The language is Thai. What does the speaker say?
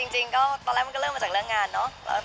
จริงก็ตอนแรกมันก็เริ่มมาจากเรื่องงานเนอะ